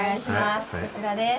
こちらです。